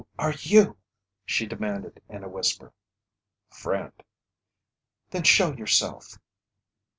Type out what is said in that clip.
"Who are you?" she demanded in a whisper. "Friend." "Then show yourself!"